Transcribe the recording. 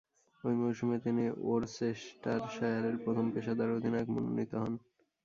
ঐ মৌসুমে তিনি ওরচেস্টারশায়ারের প্রথম পেশাদার অধিনায়ক মনোনীত হন।